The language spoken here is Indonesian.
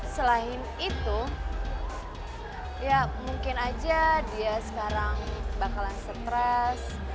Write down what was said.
selain itu ya mungkin aja dia sekarang bakalan stres